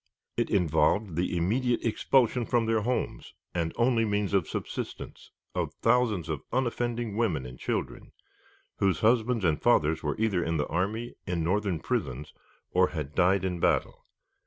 It involved the immediate expulsion from their homes and only means of subsistence of thousands of unoffending women and children, whose husbands and fathers were either in the army, in Northern prisons, or had died in battle.